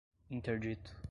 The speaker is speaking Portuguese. interdito